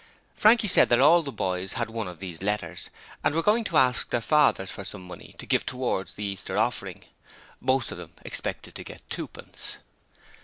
Frankie said all the boys had one of these letters and were going to ask their fathers for some money to give towards the Easter offering. Most of them expected to get twopence.